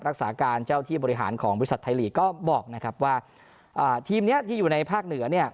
รักษาการเจ้าที่บริหารของบริษัทไทยลีกก็บอกนะครับว่าอ่าทีมเนี้ยที่อยู่ในภาคเหนือเนี่ย